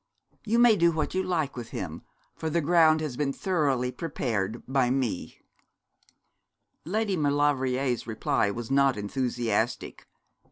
You may do what you like with him, for the ground has been thoroughly prepared by me.' Lady Maulevrier's reply was not enthusiastic.